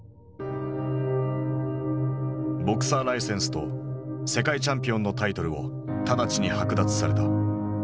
ボクサーライセンスと世界チャンピオンのタイトルを直ちに剥奪された。